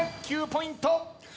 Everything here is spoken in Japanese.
９ポイント。